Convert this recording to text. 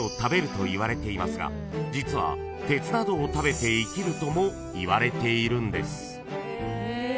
［といわれていますが実は鉄などを食べて生きるともいわれているんです］